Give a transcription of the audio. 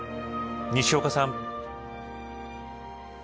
西岡さん。